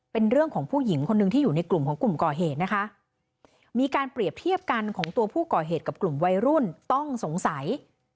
เป็นเรื่องของผู้หญิงคนหนึ่งที่อยู่ในกลุ่มของกลุ่มก่อเหตุนะคะมีการเปรียบเทียบกันของตัวผู้ก่อเหตุกับกลุ่มวัยรุ่นต้องสงสัย